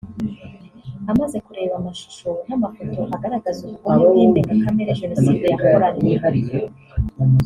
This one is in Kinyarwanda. Amaze kureba amashuro n’amafoto agaragaza ubugome bw’indengakamere Jenoside yakoranywe